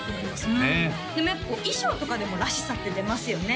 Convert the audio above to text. うんでもやっぱ衣装とかでも「らしさ」って出ますよね